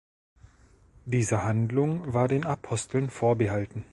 Diese Handlung war den Aposteln vorbehalten.